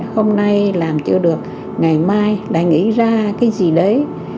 hôm nay làm chưa được ngày mai lại nghĩ ra cái gì đấy